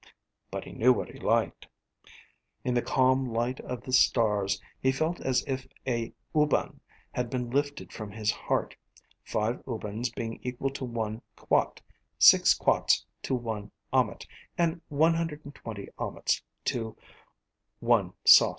But he knew what he liked. In the calm light of the stars he felt as if a uban had been lifted from his heart, 5 ubans being equal to 1 quat, 6 quats to 1 ammat and 120 ammats to 1 sos.